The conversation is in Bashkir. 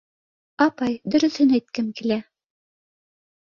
— Апай, дөрөҫөн әйткем килә.